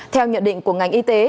theo nhận định của ngành y tế